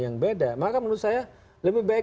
yang beda maka menurut saya lebih baik